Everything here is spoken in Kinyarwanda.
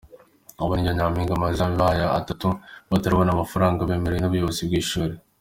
Aba ba Nyampinga amezi abaye atatu batarabona amafaranga bemerewe n'ubuyobozi bwi'ishuri.